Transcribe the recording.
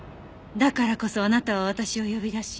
だからこそあなたは私を呼び出し。